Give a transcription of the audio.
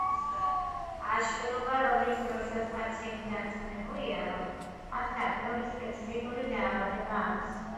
აშლილობა, რომლის დროსაც პაციენტი დარწმუნებულია, რომ მას გარკვეული სპეციფიკური დაავადება აქვს.